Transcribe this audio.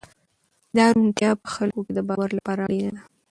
دا روڼتیا په خلکو کې د باور لپاره اړینه ده.